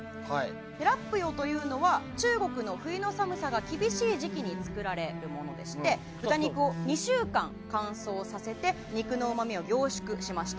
ラップヨというのは中国の冬の寒さが厳しい時期に作られるものでして豚肉を２週間乾燥させて肉のうまみを凝縮しました。